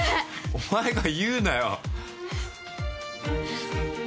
お前が言うなよ。